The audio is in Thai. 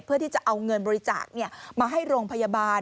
เพื่อที่จะเอาเงินบริจาคมาให้โรงพยาบาล